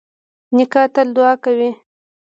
نیکه تل دعا کوي.